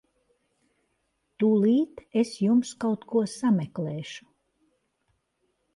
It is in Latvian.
Tūlīt es jums kaut ko sameklēšu.